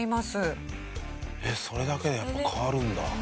それだけでやっぱ変わるんだ。